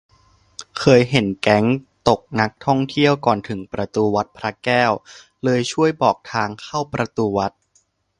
เคยเห็นแก๊งตกนักท่องเที่ยวก่อนถึงประตูวัดพระแก้ว เลยช่วยบอกทางเข้าประตูวัด